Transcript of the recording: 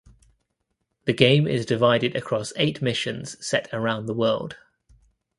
The game is divided across eight missions set around the world.